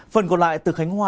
phần còn lại từ khánh hòa